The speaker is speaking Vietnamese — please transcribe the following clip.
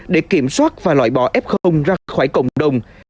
để kiểm soát và loại bỏ f ra khỏi cộng đồng